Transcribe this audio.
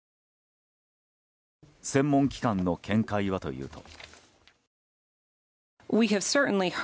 専門機関の見解はというと。